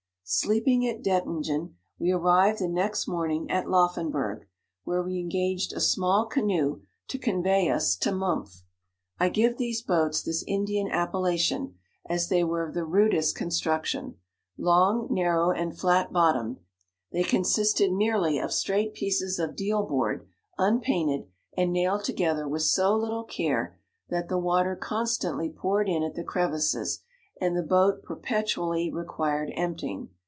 Sleeping at Dettingen, we arrived the next morning at Loffenburgh, where we engaged a small canoe to i ' 58 convey us to Mumph. I give these boats this Indian appellation, as they were of the rudest construction — long, narrow, and flat bottomed : they con sisted merely of straight pieces of deal board, unpainted, and nailed together with so little care, that the water con stantly poured in at the crevices, and the boat perpetually required empty ing.